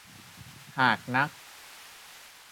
หากนัก